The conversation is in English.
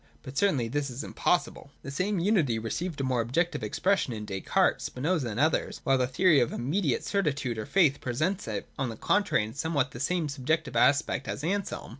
But certainly this is impossible.) The same unity received a more objective expression in Descartes, Spinoza and others : while the theory of immediate cer titude or faith presents it, on the contrary, in somewhat the same subjective aspect as Anselm.